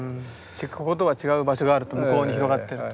じゃこことは違う場所があると向こうに広がってると。